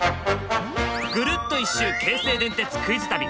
ぐるっと１周京成電鉄クイズ旅。